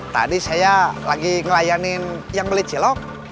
tadi saya lagi ngelayanin yang beli cilok